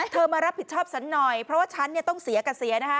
มารับผิดชอบฉันหน่อยเพราะว่าฉันต้องเสียกับเสียนะคะ